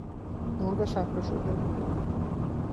مرغ شقه شده